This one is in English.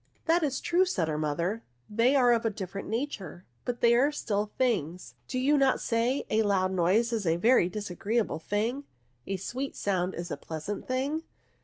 " That is true," said her mother; ^* they are of a different nature, but still they are things. Do you not say, a loud noise is a very dis agreeable thing — a sweet sound is a pleasant thing?